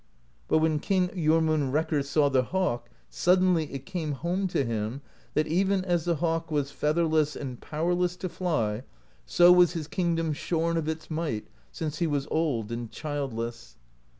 But when King Jormunrekkr saw the hawk, sud denly it came home to him that even as the hawk was featherless and powerless to fly, so was his kingdom shorn of its might, since he was old and childless.